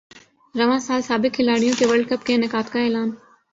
رواں سال سابق کھلاڑیوں کے ورلڈ کپ کے انعقاد کا اعلان